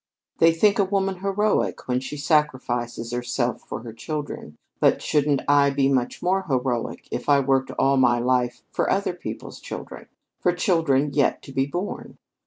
They think a woman heroic when she sacrifices herself for her children, but shouldn't I be much more heroic if I worked all my life for other people's children? For children yet to be born?